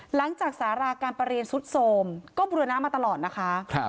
สาราการประเรียนสุดโสมก็บุรณะมาตลอดนะคะ